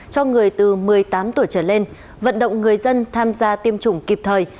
cho người từ một mươi tám tuổi trở lên vận động người dân tham gia tiêm chủng kịp thời